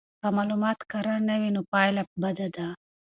که معلومات کره نه وي نو پایله بده ده.